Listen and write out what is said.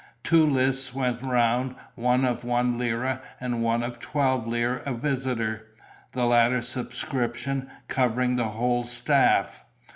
Two lists went round, one of one lira and one of twelve lire a visitor, the latter subscription covering the whole staff.